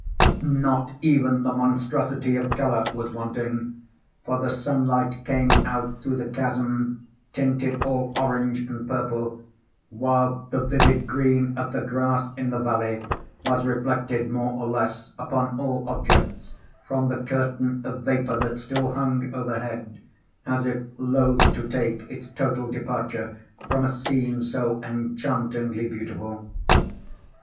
Not even the monstrosity of color was wanting; for the sunlight came out through the chasm, tinted all orange and purple; while the vivid green of the grass in the valley was reflected more or less upon all objects from the curtain of vapor that still hung overhead, as if loth to take its total departure from a scene so enchantingly beautiful.